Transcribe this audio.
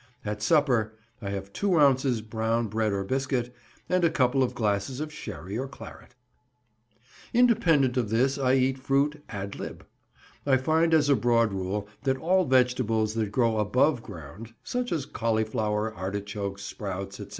At Supper—I have two ounces brown bread or biscuit, and a couple of glasses of sherry or claret. Independently of this I eat fruit ad lib. I find as a broad rule that all vegetables that grow above ground, such as cauliflower, artichokes, sprouts, &c.